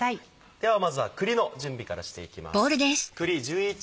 ではまずは栗の準備からしていきます。